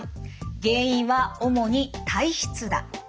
原因は主に体質だ。